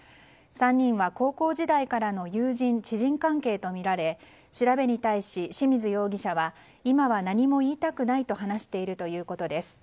３人は高校時代からの友人・知人関係とみられ調べに対し清水容疑者は今は何も言いたくないと話しているということです。